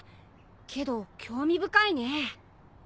けど興味深いね。